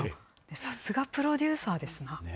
さすがプロデューサーですな。